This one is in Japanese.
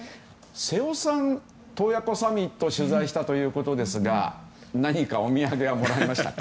瀬尾さん、洞爺湖サミット取材したということですが何かお土産はもらいましたか。